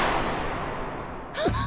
あっ！